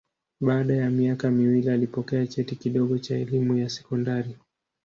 Baada ya miaka miwili alipokea cheti kidogo cha elimu ya sekondari.